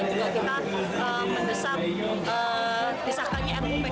juga kita mendesak disahkan ruu pks